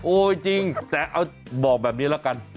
โอ้ยจริงแต่บอกแบบนี้แล้วกัน